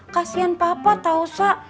kasian papa tau sa